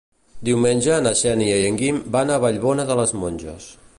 Diumenge na Xènia i en Guim van a Vallbona de les Monges.